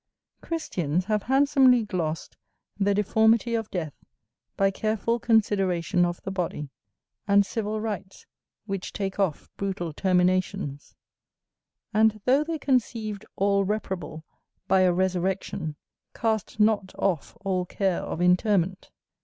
CHRISTIANS have handsomely glossed the deformity of death by careful consideration of the body, and civil rites which take off brutal terminations: and though they conceived all reparable by a resurrection, cast not off all care of interment.